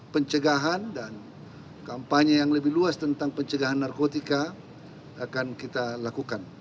pencegahan dan kampanye yang lebih luas tentang pencegahan narkotika akan kita lakukan